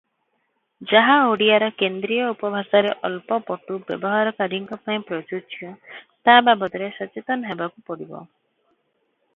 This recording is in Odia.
ଯାହା ଓଡ଼ିଆର କେନ୍ଦ୍ରୀୟ ଉପଭାଷାରେ ଅଳ୍ପ ପଟୁ ବ୍ୟବହାରକାରୀଙ୍କ ପାଇଁ ପ୍ରଯୁଜ୍ୟ ତା’ ବାବଦରେ ସଚେତନ ହେବାକୁ ପଡ଼ିବ ।